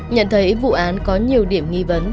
nhận thấy vụ án có nhiều điểm nghi vấn